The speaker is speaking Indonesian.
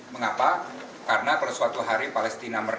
mengapa karena kalau suatu hari palestina merah